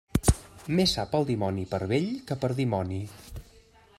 Més sap el dimoni per vell que per dimoni.